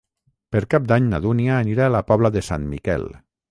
Per Cap d'Any na Dúnia anirà a la Pobla de Sant Miquel.